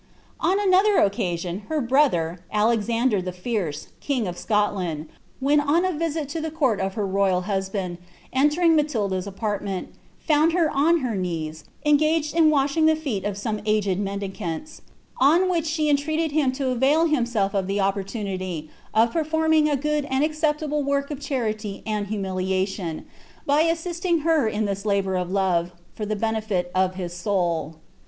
"* On another occasion, her brother, Alexander the Fierce, king of Scot land, when on a visit to the court of her royal husband, entering Matil da's apartments, found her on her knees, engaged in washinff the feet of some aged mendicants ; on which she entreated him to avau himself of the opportunity of performing a good and acceptable work of charity and humiliation, by assisting her in this labour of love, for the benefit of his soul.'